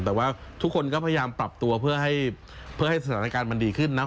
แต่ว่าทุกคนก็พยายามปรับตัวเพื่อให้สถานการณ์มันดีขึ้นนะ